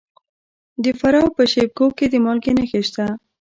د فراه په شیب کوه کې د مالګې نښې شته.